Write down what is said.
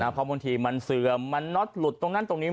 เพราะบางทีมันเสื่อมมันน็อตหลุดตรงนั้นตรงนี้